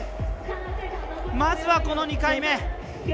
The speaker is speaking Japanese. まずは、この２回目。